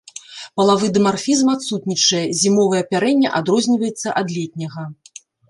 Палавы дымарфізм адсутнічае, зімовае апярэнне адрозніваецца ад летняга.